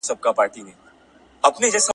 نور به نه کوم ګیلې له توره بخته